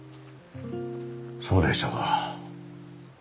そうでしたか。